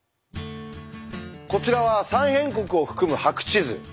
こちらは「三辺国」を含む白地図。